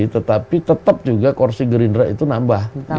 tetapi tetap juga kursi gerindra itu nambah